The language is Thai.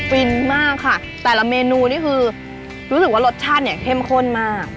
ฟินมากค่ะแต่ละเมนูนี่คือรู้สึกว่ารสชาติเนี่ยเข้มข้นมาก